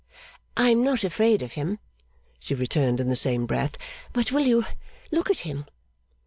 'I am not afraid of him,' she returned in the same breath; 'but will you look at him?